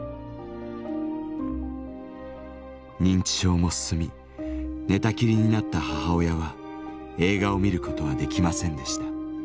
認知症も進み寝たきりになった母親は映画を見ることはできませんでした。